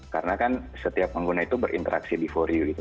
karena kan setiap pengguna itu berinteraksi di for you gitu